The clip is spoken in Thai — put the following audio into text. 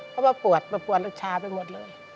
เพราะว่าปวดปวดวัตรรักชาไปหมดเลย